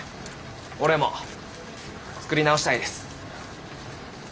俺も作り直したいです。